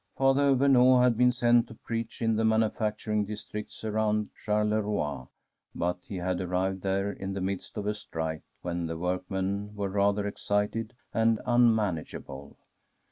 Father Vemeau had been sent to preach in the manufacturing districts around Charleroi, but he had arrived there in the midst of a strike, when the workmen were rather excited and unmanage able.